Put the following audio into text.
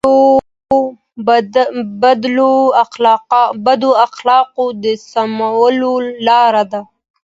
اسلام د بدو اخلاقو د سمولو لاره ده.